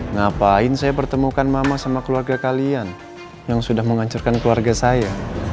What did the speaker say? ngapain saya pertemukan mama sama keluarga kalian yang sudah menghancurkan keluarga saya